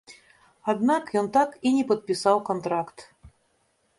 Аднак ён так і не падпісаў кантракт.